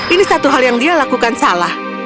ini satu hal yang dia lakukan salah